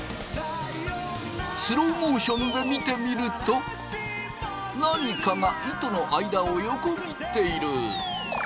スローモーションで見てみると何かが糸の間を横切っている。